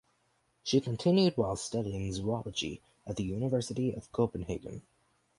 She continued while studying zoology at the University of Copenhagen.